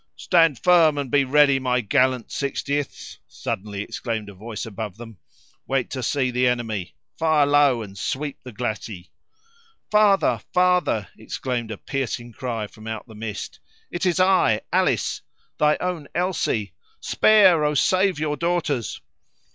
"Stand firm, and be ready, my gallant Sixtieths!" suddenly exclaimed a voice above them; "wait to see the enemy, fire low and sweep the glacis." "Father! father!" exclaimed a piercing cry from out the mist: "it is I! Alice! thy own Elsie! Spare, oh! save your daughters!"